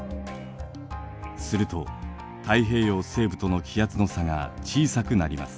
すると太平洋西部との気圧の差が小さくなります。